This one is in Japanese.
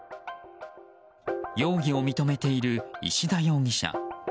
容疑を認めている石田容疑者。